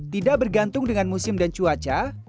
tidak bergantung dengan musim dan cuaca